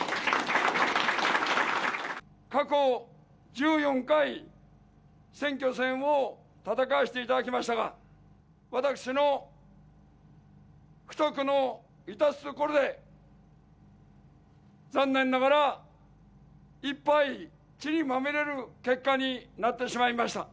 過去１４回、選挙戦を戦わせていただきましたが、私の不徳のいたすところで、残念ながら一敗地にまみれる結果になってしまいました。